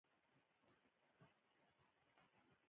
پنځه اویایم سوال د پلانګذارۍ اصلونه دي.